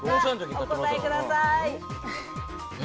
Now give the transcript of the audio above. お答えください。